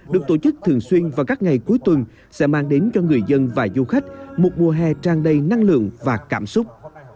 được tổ chức thường xuyên vào các ngày cuối tuần sẽ mang đến cho người dân và du khách một mùa hè trang đầy năng lượng và cảm xúc